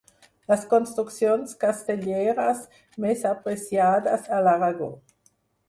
Les construccions castelleres més apreciades a l'Aragó.